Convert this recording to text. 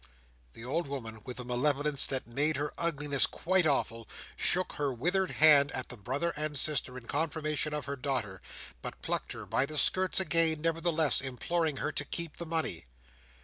The old woman, with a malevolence that made her ugliness quite awful, shook her withered hand at the brother and sister in confirmation of her daughter, but plucked her by the skirts again, nevertheless, imploring her to keep the money.